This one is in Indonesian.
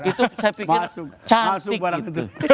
itu saya pikir cantik itu